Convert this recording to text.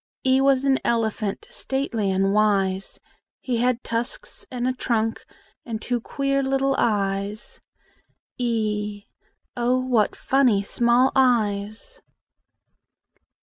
E was an elephant, Stately and wise: He had tusks and a trunk, And two queer little eyes, e Oh, what funny small eyes!